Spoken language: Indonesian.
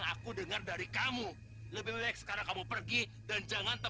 gak ada apa apa